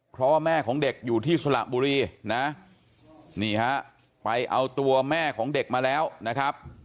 เพราะว่าแม่ของเด็กอยู่ที่สระบุรีนะนี่ฮะไปเอาตัวแม่ของเด็กมาแล้วนะครับ